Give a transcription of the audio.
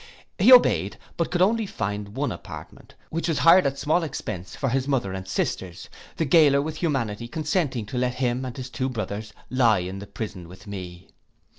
He obeyed; but could only find one apartment, which was hired at a small expence, for his mother and sisters, the gaoler with humanity consenting to let him and his two little brothers lie in the prison with me.